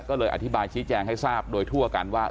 ก็เลยอธิบายชี้แจงให้ทราบโดยทั่วกันว่า